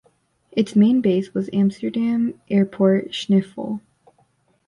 Its main base was Amsterdam Airport Schiphol.